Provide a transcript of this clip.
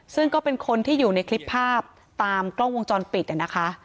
ซึ่งก็เป็นคนที่อยู่ในคลิปภาพตามกล้องวงจรปิดนะคะ